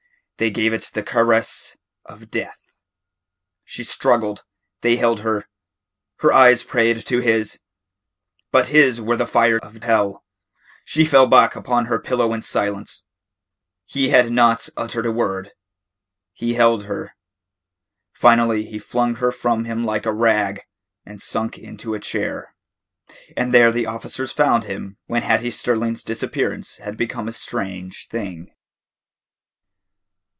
They gave it the caress of death. She struggled. They held her. Her eyes prayed to his. But his were the fire of hell. She fell back upon her pillow in silence. He had not uttered a word. He held her. Finally he flung her from him like a rag, and sank into a chair. And there the officers found him when Hattie Sterling's disappearance had become a strange thing.